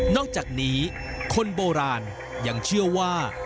อกจากนี้คนโบราณยังเชื่อว่า